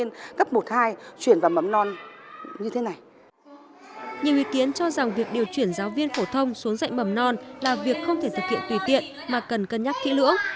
nhiều ý kiến cho rằng việc điều chuyển giáo viên phổ thông xuống dạy mầm non là việc không thể thực hiện tùy tiện mà cần cân nhắc kỹ lưỡng